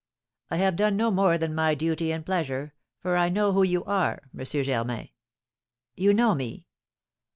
"I have done no more than my duty and pleasure, for I know who you are Monsieur Germain." "You know me!"